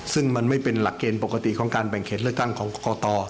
ซึ่งมันไม่เป็นหลักเกณฑ์ปกติของการแบ่งเขตเลือกตั้งของกต